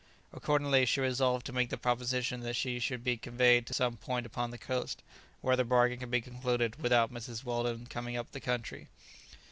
Accordingly, she resolved to make the proposition that she should be conveyed to some point upon the coast, where the bargain could be concluded without Mr. Weldon's coming up the country.